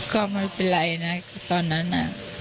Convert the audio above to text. ก็ไม่เป็นไรนะตอนนั้น